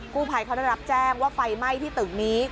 ผู้ภัยเขาได้รับแจ้งว่าไฟไหม้ที่ตึกนี้